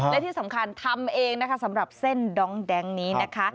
และที่สำคัญทำเองนะคะสำหรับเส้นดองแดงนี้นะคะ